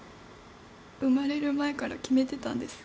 生まれる前から決めてたんです。